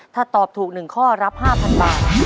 ถ้าตอบถูก๑ข้อรับ๕๐๐บาท